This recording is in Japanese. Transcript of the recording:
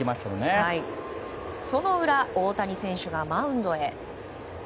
その裏、大谷選手がマウンドへ。